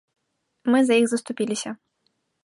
Мы за іх заступіліся.